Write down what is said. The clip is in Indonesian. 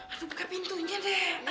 aduh buka pintunya deh